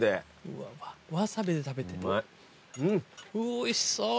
おいしそう！